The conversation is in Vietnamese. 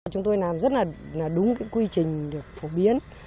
chúng tôi làm rất là đúng quy trình phổ biến